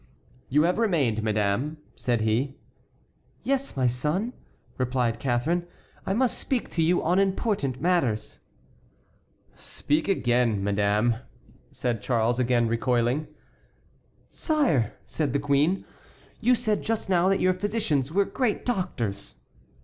"You have remained, madame?" said he. "Yes, my son," replied Catharine, "I must speak to you on important matters." "Speak, madame," said Charles, again recoiling. "Sire!" said the queen, "you said just now that your physicians were great doctors!"